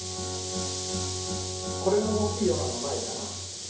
これの大きいようなのないかな？